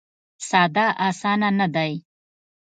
ساده اسانه نه دی.